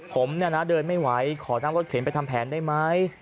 ผมเนี่ยนะเดินไม่ไหวขอนั่งรถเข็นไปทำแผนได้ไหม